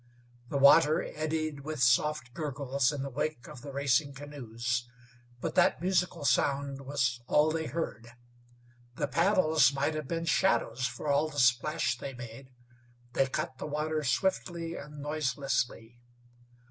The water eddied with soft gurgles in the wake of the racing canoes; but that musical sound was all they heard. The paddles might have been shadows, for all the splash they made; they cut the water swiftly and noiselessly.